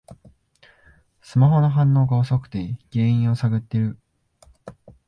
スマホの反応が遅くて原因を探ってる